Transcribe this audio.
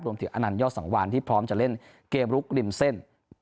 อนันยอดสังวานที่พร้อมจะเล่นเกมลุกริมเส้น